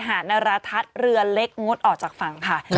หารรถรรภ์เรือเล็กงดออกจากฝั่งค่ะ